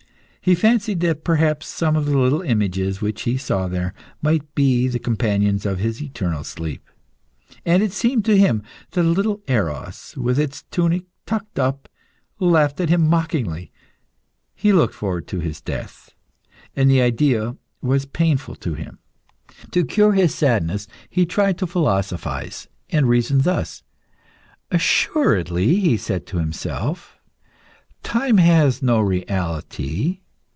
He fancied that perhaps some of the little images which he saw there might be the companions of his eternal sleep; and it seemed to him that a little Eros, with its tunic tucked up, laughed at him mockingly. He looked forward to his death, and the idea was painful to him. To cure his sadness he tried to philosophise, and reasoned thus "Assuredly," he said to himself, "time has no reality.